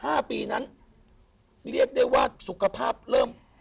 ห้าปีนั้นเรียกได้ว่าสุขภาพเริ่ม